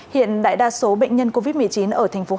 hiện đại đa số bệnh nhân covid một mươi chín ở tp hcm